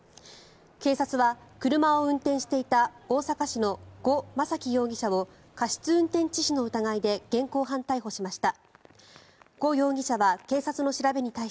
警察は車を運転していた大阪市の呉昌樹容疑者を過失致死の疑いで現行犯逮捕しました。